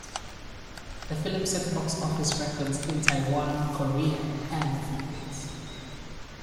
The film set box-office records in Taiwan, Korea, and the Philippines.